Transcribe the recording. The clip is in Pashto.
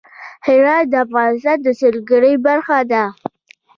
هرات د افغانستان د سیلګرۍ برخه ده.